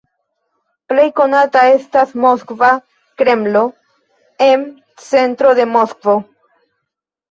Plej konata estas Moskva Kremlo en centro de Moskvo.